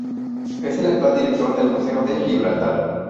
Es el actual Director del Museo de Gibraltar.